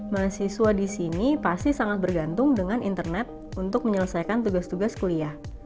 mahasiswa di sini pasti sangat bergantung dengan internet untuk menyelesaikan tugas tugas kuliah